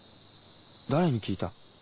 誰に聞いた？